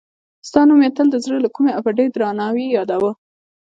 ستا نوم یې تل د زړه له کومې او په ډېر درناوي یادوه.